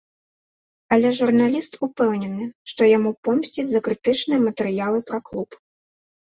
Але журналіст упэўнены, што яму помсцяць за крытычныя матэрыялы пра клуб.